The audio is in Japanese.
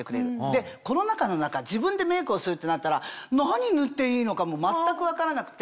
でコロナ禍の中自分でメイクをするってなったら何塗っていいのかも全く分からなくて。